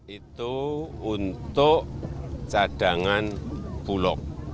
itu untuk cadangan bulog